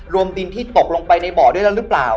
รวมดินที่ตกลงไปในบ่อด้วยแล้วหรือไม่